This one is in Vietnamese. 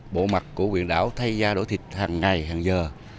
bộ mặt của quyền đảo thay da đổ thịt hằng ngày hằng giờ